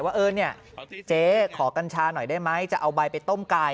ว่าเออเนี่ยเจ๊ขอกัญชาหน่อยได้ไหมจะเอาใบไปต้มไก่